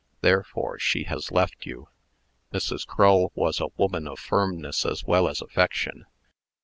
Therefore she has left you." Mrs. Crull was a woman of firmness as well as affection.